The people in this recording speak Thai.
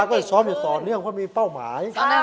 นักกีฬาก็จะซ้อมอยู่ต่อเนื่องกับว่ามีเป้าหมาย